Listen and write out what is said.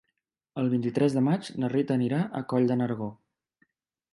El vint-i-tres de maig na Rita anirà a Coll de Nargó.